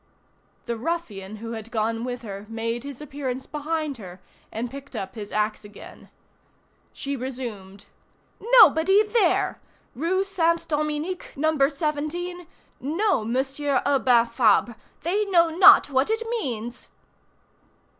The ruffian who had gone with her made his appearance behind her and picked up his axe again. She resumed:— "Nobody there! Rue Saint Dominique, No. 17, no Monsieur Urbain Fabre! They know not what it means!"